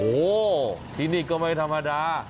โอ้โหที่นี่ก็ไม่ธรรมดา